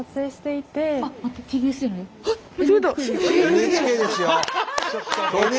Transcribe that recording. ＮＨＫですよ！